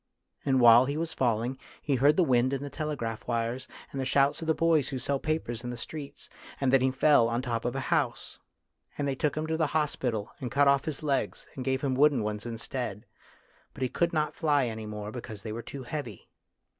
And while he was falling, he heard the wind in the telegraph wires, and the shouts of the boys who sell papers in the street, and then he fell on the top of a house. And they took him to the hospital, and cut off his legs, and gave hin> wooden ones instead. But he could not fly any more because they were too heavy."